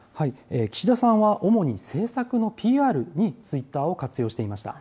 岸田さんは主に政策のＰＲにツイッターを活用していました。